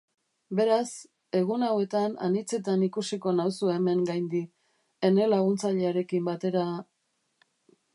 Beraz, egun hauetan anitzetan ikusiko nauzu hemen gaindi... ene laguntzailearekin batera...